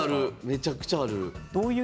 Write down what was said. めちゃくちゃある。